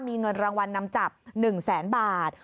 มีเงินรางวัลนำจับ๑แสนบาท